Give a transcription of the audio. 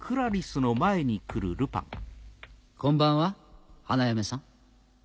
こんばんは花嫁さん。